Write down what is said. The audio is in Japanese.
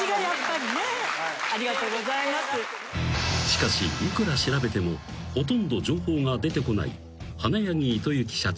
［しかしいくら調べてもほとんど情報が出てこない花柳糸之社中］